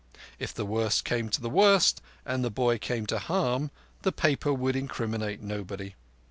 If the worst came to the worst, and the boy came to harm, the paper would incriminate nobody.